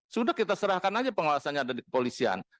sudah kita serahkan aja pengawasannya ada di kepolisian